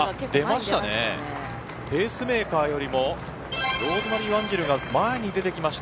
ペースメーカーよりもワンジルが前に出てきました。